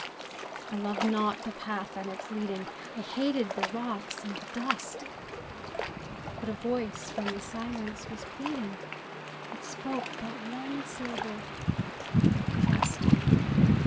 I loved not the path and its leading, I hated the rocks and the dust; But a Voice from the Silence was pleading, It spoke but one syllable—"Trust."